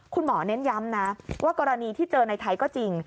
เน้นย้ำนะว่ากรณีที่เจอในไทยก็จริง